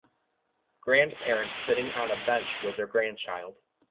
Grandparents sitting on a bench with their grandchild.